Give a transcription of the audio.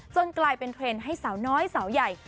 กลายเป็นเทรนด์ให้สาวน้อยสาวใหญ่